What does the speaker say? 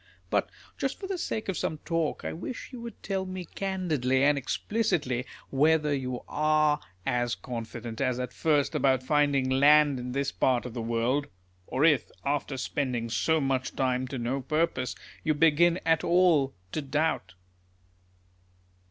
Ihit just for the sake of some talk I wish you would tell me candidly and explicitly, whether you are as con fident as at first about finding land in this part of the world ; or if, after spending so much time to no purpose, you begin at all to doubt.